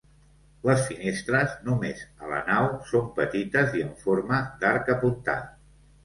Les finestres, només a la nau, són petites i en forma d'arc apuntat.